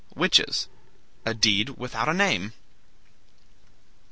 Witches, A deed without a name.